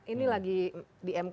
ini lagi di mk